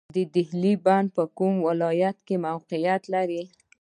د دهلې بند په کوم ولایت کې موقعیت لري؟